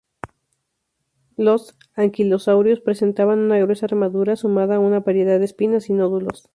Los anquilosáuridos presentaban una gruesa armadura, sumada a una variedad de espinas y nódulos.